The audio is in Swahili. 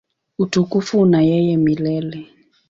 Utukufu una yeye milele.